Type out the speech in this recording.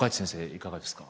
いかがですか。